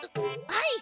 はい！